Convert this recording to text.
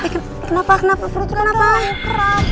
kenapa kenapa perutku kenapa